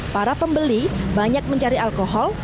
para pembeli banyak mencari alkohol